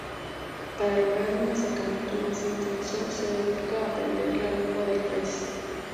Para lograr un acercamiento más intenso se dedica a aprender la lengua del país.